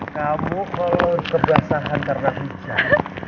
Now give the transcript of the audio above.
kamu kalau kebiasaan karena hujan